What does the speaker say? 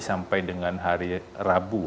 sampai dengan hari rabu